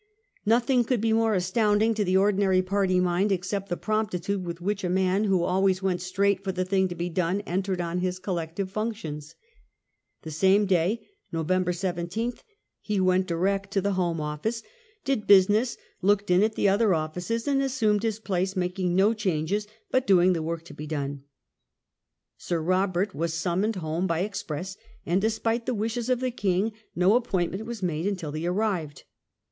Nothing could he more astounding to the ordinary party mind, except the promptitude with which a man who always went straight for the thing to be done entered on his collective functions. The same day, November 17th, he went direct to the Home Office, did business, looked in at the other offices, and assumed his place, making no changes, but doing the work to be done. Sir Eobert was summoned home by express, and, despite the wishes of the King, no appoint ment was made until he arrived.